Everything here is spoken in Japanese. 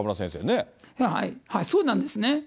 そうなんですね。